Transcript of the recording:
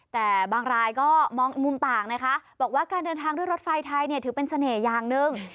แต่บางรายก็มองมุมต่างนะคะบอกว่าการเดินทางด้วยรถไฟไทยเนี่ยถือเป็นเสน่ห์อย่างหนึ่ง